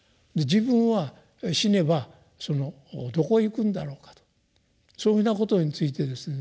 自分は死ねばそのどこへ行くんだろうかとそういうふうなことについてですね